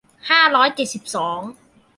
ห้าร้อยเจ็ดสิบสอง